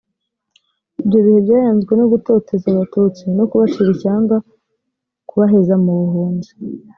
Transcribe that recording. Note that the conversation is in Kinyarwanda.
ibyo bihe byaranzwe no gutoteza abatutsi no kubacira ishyanga kubaheza mu buhunzi